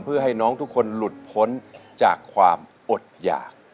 เพื่อให้น้องทุกคนหลุดพ้นจากความอดหยาก